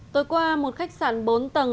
tối qua một khách sạn bốn tầng